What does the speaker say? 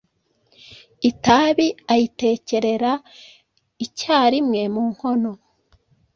itabi ayitekerera icyarimwe, munkono